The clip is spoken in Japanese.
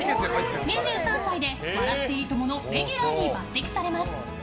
２３歳で「笑っていいとも！」のレギュラーに抜擢されます。